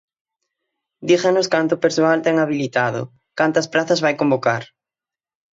Díganos canto persoal ten habilitado, cantas prazas vai convocar.